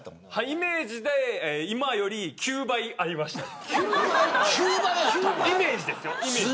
イメージで今より９倍ありました。